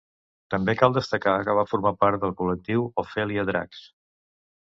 També cal destacar que va formar part del col·lectiu Ofèlia Dracs.